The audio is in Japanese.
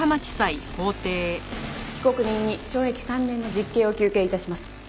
被告人に懲役３年の実刑を求刑致します。